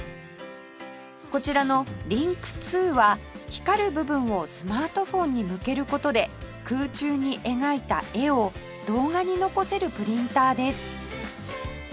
こちらのリンク２は光る部分をスマートフォンに向ける事で空中に描いた絵を動画に残せるプリンターです